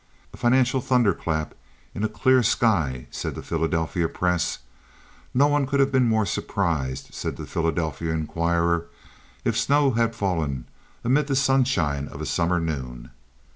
"A financial thunderclap in a clear sky," said the Philadelphia Press. "No one could have been more surprised," said the Philadelphia Inquirer, "if snow had fallen amid the sunshine of a summer noon."